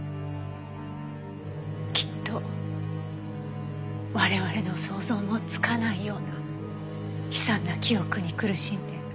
きっと我々の想像もつかないような悲惨な記憶に苦しんで。